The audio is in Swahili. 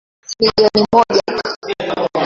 Jimbo lina wakazi milioni moja.